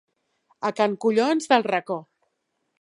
A can collons del racó.